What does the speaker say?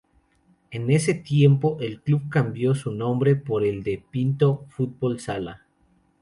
En ese tiempo, el club cambió su nombre por el de "Pinto Fútbol Sala".